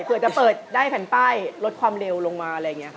เพื่อจะเปิดได้แผ่นป้ายลดความเร็วลงมา